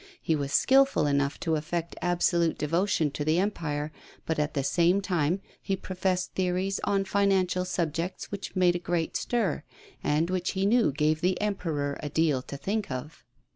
He was skilful enough to affect absolute devotion to the Empire, but at the same time he professed theories on financial subjects which made a great stir, and which he knew gave the Emperor a deal to think of.